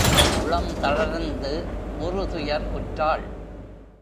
உளம் தளர்ந்து உறுதுயர் உற்றாள்.